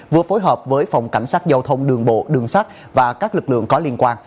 vừa phối hợp với phòng cảnh sát giao thông đường bộ đường sắt và các lực lượng có liên quan